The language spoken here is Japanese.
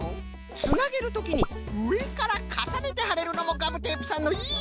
つなげるときにうえからかさねてはれるのもガムテープさんのいいところじゃな。